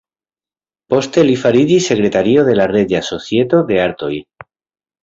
Poste li fariĝis sekretario de la Reĝa Societo de Artoj.